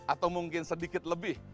atau mungkin sedikit lebih